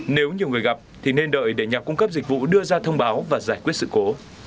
nếu nhiều người gặp thì nên đợi để nhà cung cấp dịch vụ đưa ra thông báo và giải quyết sự cố